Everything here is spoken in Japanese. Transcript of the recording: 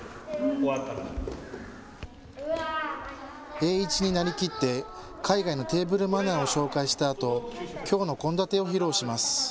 栄一になりきって海外のテーブルマナーを紹介したあときょうの献立を披露します。